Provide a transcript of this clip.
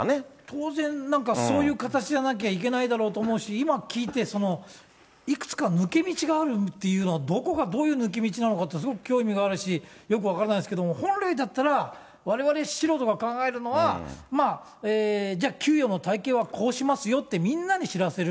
当然なんか、そういう形じゃなきゃいけないだろうと思うし、今聞いて、いくつか抜け道があるっていうのは、どこがどういう抜け道なのか、すごく興味があるし、よく分からないですけども、本来だったら、われわれ素人が考えるのは、じゃあ、給与の体形はこうしますよって、みんなに知らせる。